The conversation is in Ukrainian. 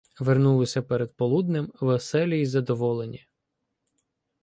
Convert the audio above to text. Вернулися перед полуднем веселі й задоволені.